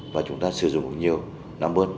và chúng ta sử dụng cũng nhiều